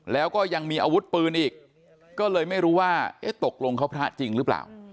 แล้วก็ยังมีอาวุธปืนอีกก็เลยไม่รู้ว่าเอ๊ะตกลงเขาพระจริงหรือเปล่า